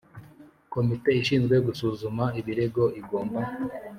Komite ishinzwe gusuzuma ibirego igomba